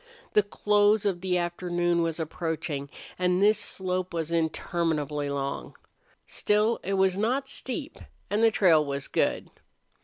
The close of the afternoon was approaching, and this slope was interminably long. Still, it was not steep, and the trail was good.